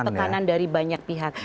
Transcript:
tekanan dari banyak pihak